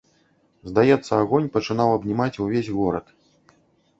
Здаецца, агонь пачынаў абнімаць увесь горад.